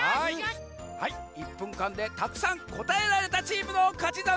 はい１ぷんかんでたくさんこたえられたチームのかちざんす！